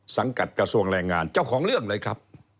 สังกัดกระทรวงแรงงานเจ้าของเรื่องเลยครับ